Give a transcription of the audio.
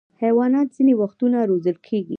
حیوانات ځینې وختونه روزل کېږي.